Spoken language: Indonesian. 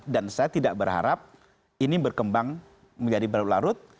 dan saya tidak berharap ini berkembang menjadi baru larut